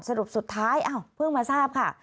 สรุปสุดท้ายเพิ่งมาทราบค่ะ